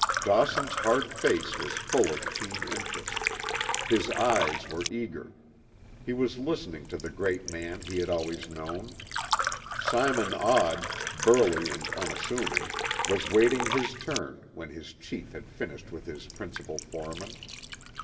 Dawson's hard face was full of keen interest. His eyes were eager. He was listening to the great man he had always known. Simon Odd, burly and unassuming, was waiting his turn when his chief had finished with his principal foreman.